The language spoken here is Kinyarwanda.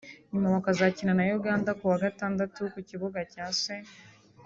nyuma bakazakina na Uganda ku wa Gatandatu ku kibuga cya St